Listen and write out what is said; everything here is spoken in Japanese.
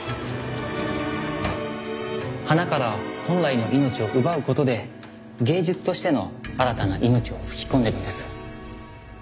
花から本来の命を奪う事で芸術としての新たな命を吹き込んでいるんです。